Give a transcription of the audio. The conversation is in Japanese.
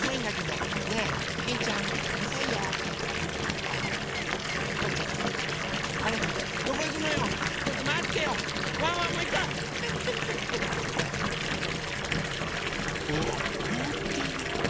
おおっこおってる！